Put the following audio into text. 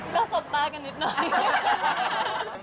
ก็สบตากันนิดหน่อย